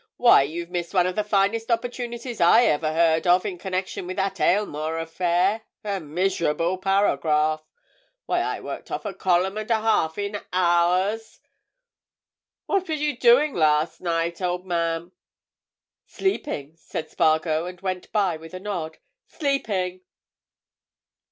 "Why, you've missed one of the finest opportunities I ever heard of in connection with that Aylmore affair. A miserable paragraph!—why, I worked off a column and a half in ours! What were you doing last night, old man?" "Sleeping," said Spargo and went by with a nod. "Sleeping!"